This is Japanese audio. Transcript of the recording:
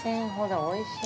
おいしい。